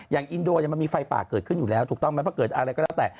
อินโดมันมีไฟป่าเกิดขึ้นอยู่แล้วถูกต้องไหมเพราะเกิดอะไรก็แล้วแต่